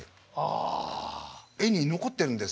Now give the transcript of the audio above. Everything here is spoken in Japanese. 絵に残ってるんです。